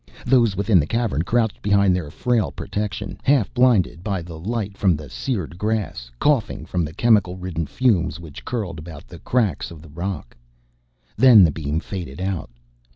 Those within the Cavern crouched behind their frail protection, half blinded by the light from the seared grass, coughing from the chemical ridden fumes which curled about the cracks of the rock. Then the beam faded out.